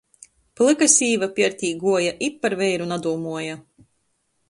Plyka sīva piertī guoja i par veiru nadūmuoja.